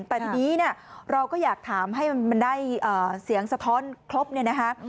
แต่ทีนี้เนี่ยเราก็อยากถามให้มันได้เสียงสะท้อนครบเนี่ยนะคะ